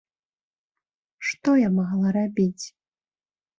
Што я магла рабіць?